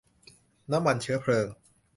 น้ำมันเชื้อเพลิง